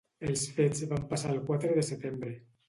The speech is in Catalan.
Els fets van passar el quatre de setembre.